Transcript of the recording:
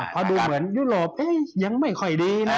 เพราะดูเหมือนยุโรปยังไม่ค่อยดีนะ